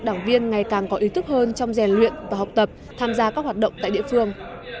đảng viên ngày càng có ý thức hơn trong rèn luyện và học tập tham gia các hoạt động tại địa phương